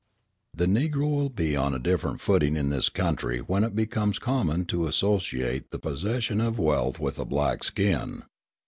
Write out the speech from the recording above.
The Negro will be on a different footing in this country when it becomes common to associate the possession of wealth with a black skin.